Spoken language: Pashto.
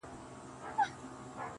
پاگل دي د غم شونډې پر سکروټو ايښي